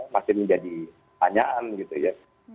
masih menjadi tanyaan gitu ya